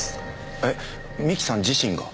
えっ三木さん自身が？